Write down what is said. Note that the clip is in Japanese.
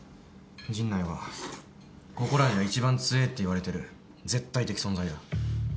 陣内はここらじゃ一番強えっていわれてる絶対的存在だ。